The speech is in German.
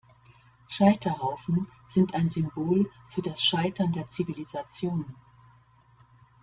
Scheiterhaufen sind ein Symbol für das Scheitern der Zivilisation.